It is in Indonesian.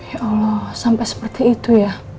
ya allah sampai seperti itu ya